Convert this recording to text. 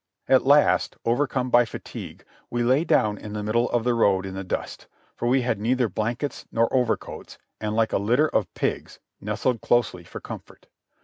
At last, overcome by fatigue, we lay down in the middle of the road in the dust, for we had neither blankets nor overcoats, and like a litter of pigs, nestled closely for comfort.